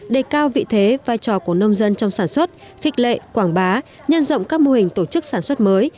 đề cao vị thế vai trò của nông dân trong sản xuất khích lệ quảng bá nhân rộng các mô hình tổ chức sản xuất mới